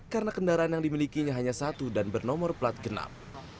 karena kendaraan yang dimilikinya hanya satu dan bernomor plat genap